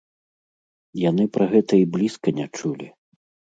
Яны пра гэта і блізка не чулі.